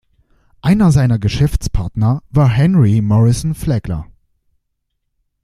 Einer seiner Geschäftspartner war Henry Morrison Flagler.